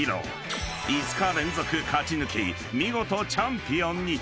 ［５日連続勝ち抜き見事チャンピオンに］